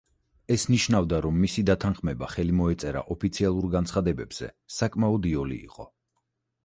ეს ნიშნავდა, რომ მისი დათანხმება, ხელი მოეწერა ოფიციალურ განცხადებებზე, საკმაოდ იოლი იყო.